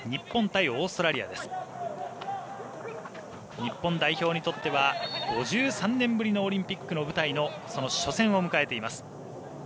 日本代表にとっては５３年ぶりのオリンピックの舞台の、その初戦を迎えています。